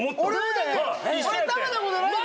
俺食べたことないけど。